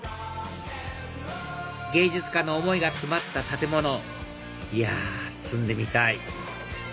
芸術家の思いが詰まった建物いや住んでみたい！